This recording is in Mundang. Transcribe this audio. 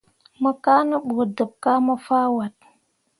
Mo kaa ne ɓu deb kah mo fah wat.